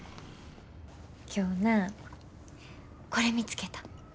今日なこれ見つけた。